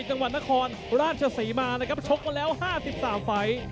จังหวัดนครราชศรีมานะครับชกมาแล้ว๕๓ไฟล์